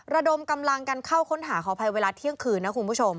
ระดมกำลังกันเข้าค้นหาขออภัยเวลาเที่ยงคืนนะคุณผู้ชม